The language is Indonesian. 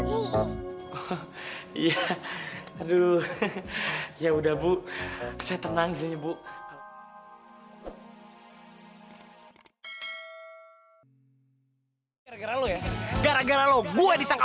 iya buruanan warteg